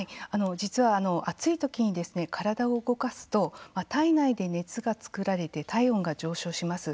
実は暑いときに体を動かすと体内で熱が作られて体温が上昇します。